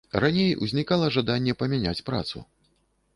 Раней узнікала жаданне памяняць працу.